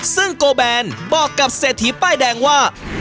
ซึ่งโกแบนบอกกับเศรษฐีป้ายแดงว่า